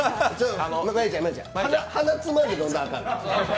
鼻つまんで飲んだらあかん。